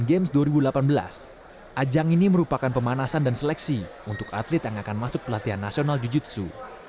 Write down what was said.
di games dua ribu delapan belas ajang ini merupakan pemanasan dan seleksi untuk atlet yang akan masuk pelatihan nasional jiu jitsu